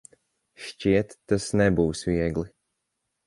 Šķiet, tas nebūs viegli.